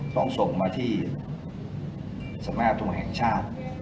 ต้องส่งมาที่สมัยธุมแห่งชาติ